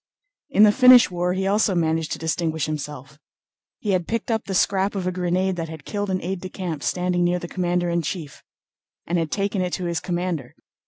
In the Finnish war he also managed to distinguish himself. He had picked up the scrap of a grenade that had killed an aide de camp standing near the commander in chief and had taken it to his commander.